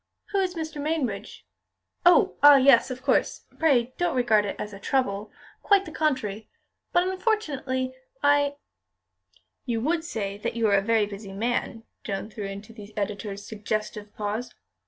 "Who is Mr. Mainbridge? Oh, ah! yes, of course. Pray don't regard it as a trouble. Quite the contrary. But unfortunately, I " "You would say you are a very busy man," Joan threw into the editor's suggestive pause.